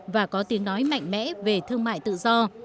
và có tiếng nói mạnh mẽ về thương mại tự do